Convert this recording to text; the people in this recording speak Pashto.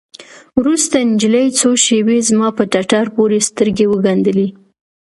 وروسته نجلۍ څو شېبې زما په ټټر پورې سترګې وگنډلې.